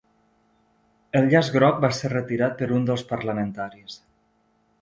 El llaç groc va ser retirat per un dels parlamentaris